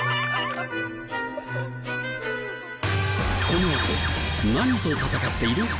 このあと何と戦っている？